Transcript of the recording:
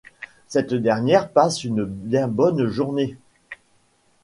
Cette dernière passe une bien bonne journée.